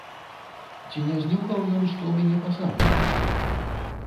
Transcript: Ці не знюхаў ён, што ў мяне пасагу нямашака?